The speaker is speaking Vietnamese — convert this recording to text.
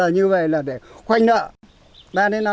như vậy là để khoanh nợ